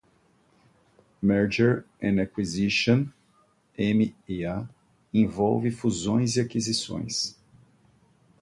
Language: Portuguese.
Merger and Acquisition (M&A) envolve fusões e aquisições.